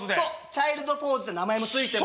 チャイルドポーズって名前も付いてます。